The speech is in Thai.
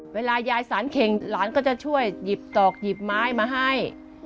เวลายายสารเข่งหลานก็จะช่วยหยิบตอกหยิบไม้มาให้